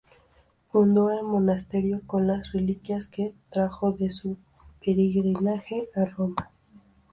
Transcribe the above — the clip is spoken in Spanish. Fundó el monasterio con las reliquias que trajo de su peregrinaje a Roma.